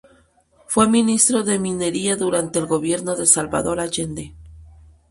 Fue Ministro de Minería durante el gobierno de Salvador Allende.